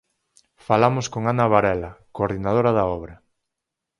Falamos con Ana Varela, coordinadora da obra.